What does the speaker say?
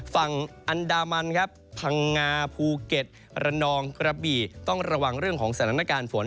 ฝั่งอันดามันครับพังงาภูเก็ตระนองกระบี่ต้องระวังเรื่องของสถานการณ์ฝน